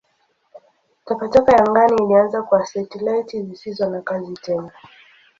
Takataka ya angani ilianza kwa satelaiti zisizo na kazi tena.